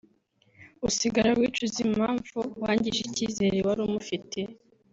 usigara wicuza impamvu wangije icyizere wari umufitiye